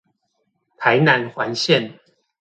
台南環線